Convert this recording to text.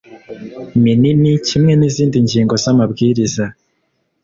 minini kimwe n izindi ngingo z amabwiriza